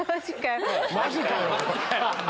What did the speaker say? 「マジかよ」！